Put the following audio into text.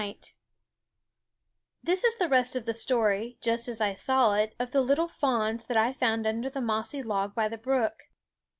<%'./<' '*l* 1 HIS is the rest of the story, just as I saw it, of the little fawns that I found under the mossy log by the brook.